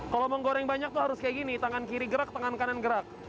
kalau mau goreng banyak harus seperti ini tangan kiri gerak tangan kanan gerak